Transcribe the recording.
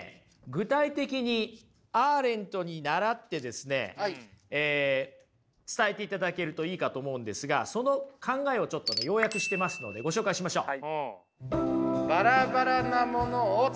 具体的にアーレントに倣ってですね伝えていただけるといいかと思うんですがその考えをちょっと要約してますのでご紹介しましょう。